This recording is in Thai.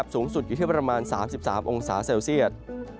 สูงสุดอยู่ที่ประมาณ๓๓องศาเซลเซียต